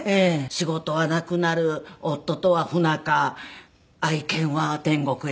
仕事はなくなる夫とは不仲愛犬は天国へ。